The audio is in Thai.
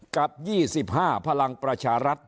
กับ๒๕พลังประชารัฐ